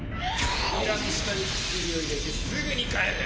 扉の下に薬を入れてすぐに帰れ！